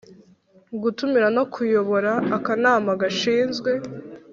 Gutumira no kuyobora akanama gashinzwe